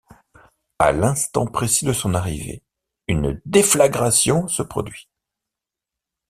À l'instant précis de son arrivée, une déflagration se produit.